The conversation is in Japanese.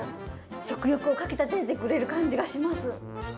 食欲をかきたててくれる感じがします。